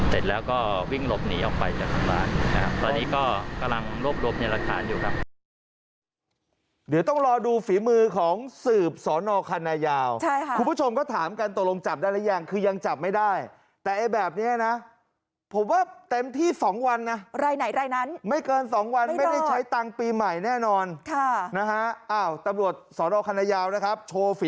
เสร็จแล้วก็วิ่งลบหนีออกไปจากทางร้านคราวนี้ก็กำลังรบในรัฐฐานอยู่ครับ